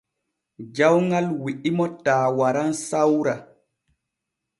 Jawŋal wi’imo taa waran sawra.